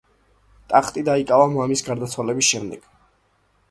ტახტი დაიკავა მამის გარდაცვალების შემდეგ.